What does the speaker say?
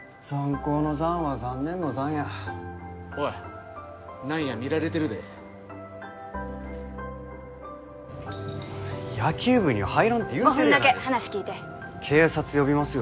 高のザンは残念のザンやおい何や見られてるで野球部には入らんて言うてるやないですか５分だけ話聞いて警察呼びますよ